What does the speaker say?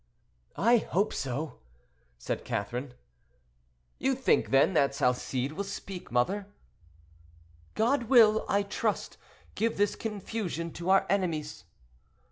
"I hope so," said Catherine. "You think, then, that Salcede will speak, mother?" "God will, I trust, give this confusion to our enemies."